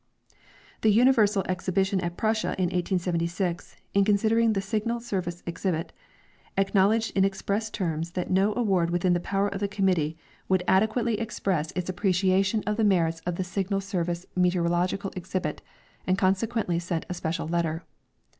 The Universal exhibition at Prussia in 1876, in considering the Signal service exhibit, acknowledged in express terms that no award within the iJower of the conmiittee would adequately 90 General xi. W. Greehj — Geography of the Air. express its appreciation of the merits of the Signal service me teorological exhibit, and consequently sent a special letter.